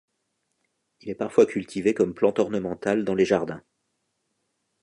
Il est parfois cultivé comme plante ornementale dans les jardins.